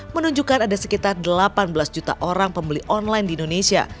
menunjukkan ada sekitar delapan belas juta orang pembeli online di indonesia